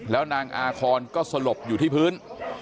แล้วนางอาคอนก็สลบอยู่ที่พื้น